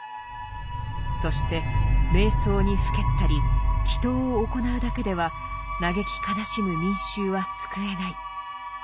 そして瞑想にふけったり祈祷を行うだけでは嘆き悲しむ民衆は救えない。